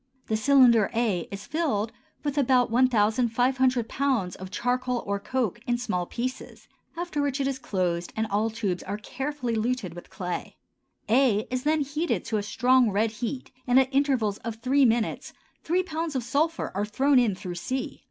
The cylinder a is filled with about 1,500 pounds of charcoal or coke in small pieces, after which it is closed and all tubes are carefully luted with clay; a is then heated to a strong red heat and at intervals of three minutes 3 pounds of sulphur are thrown in through c.